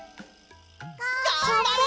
がんばれ！